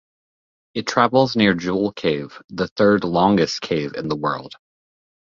It travels near Jewel Cave, the third-longest cave in the world.